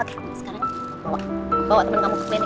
oke kamu sekarang bawa teman kamu ke klinik